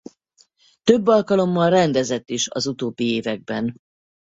Több alkalommal rendezett is az utóbbi években.